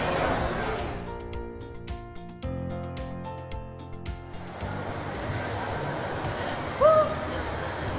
yang berapa sih